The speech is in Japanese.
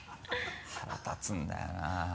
腹立つんだよな。